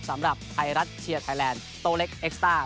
สำหรับไทยรัฐเชียร์ไทยแลนด์โตเล็กเอ็กซ่า